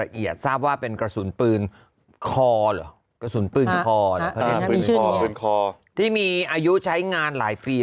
รายละเอียดทราบว่าเป็นกระสุนปืนคอหรอกระสุนปืนคอที่มีอายุใช้งานหลายฟรี